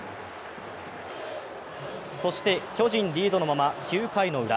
そして巨人リードのまま、９回のウラ。